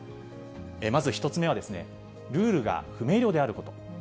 まず１つ目はですね、ルールが不明瞭であること。